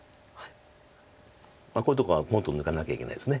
こういうとこはポンと抜かなきゃいけないです。